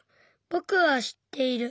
ぼくは知っている。